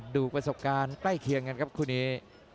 ดูประสบการณ์ใกล้เคียงกันครับคู่นี้